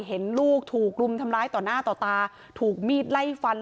เห็นลูกถูกรุมทำร้ายต่อหน้าต่อตาถูกมีดไล่ฟัน